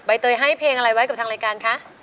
เตยให้เพลงอะไรไว้กับทางรายการคะ